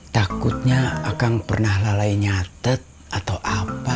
takutnya akan pernah lalai nyatet atau apa